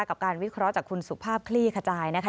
กับการวิเคราะห์จากคุณสุภาพคลี่ขจายนะคะ